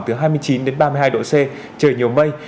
từ hai mươi chín đến ba mươi hai độ c trời nhiều mây